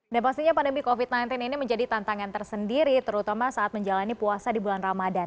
dan pastinya pandemi covid sembilan belas ini menjadi tantangan tersendiri terutama saat menjalani puasa di bulan ramadan